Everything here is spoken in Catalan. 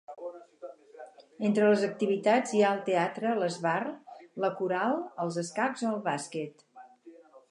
Entre les activitats hi ha el teatre, l'esbart, la coral, els escacs o el bàsquet.